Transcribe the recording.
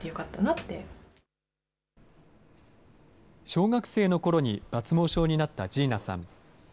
小学生のころに抜毛症になったＧｅｎａさん。